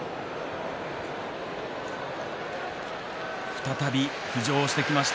再び浮上してきました